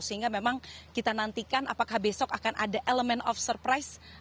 sehingga memang kita nantikan apakah besok akan ada elemen of surprise